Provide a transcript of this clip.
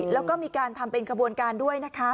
แล้วก็มีการทำเป็นขบวนการด้วยนะคะ